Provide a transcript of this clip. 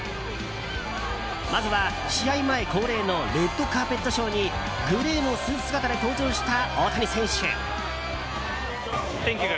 まずは試合前恒例のレッドカーペットショーにグレーのスーツ姿で登場した大谷選手。